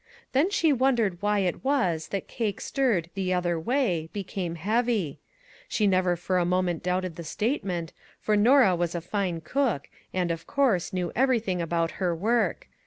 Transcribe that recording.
Then she wondered Why it was that cake stirred " the other way " became heavy. She never for a moment 74 "RAISINS" doubted the statement, for Norah was a fine cook, and, of course, knew everything about her work.